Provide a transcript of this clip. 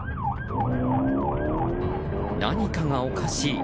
何かがおかしい。